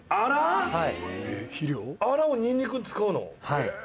はい。